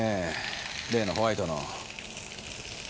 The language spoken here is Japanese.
例のホワイトの。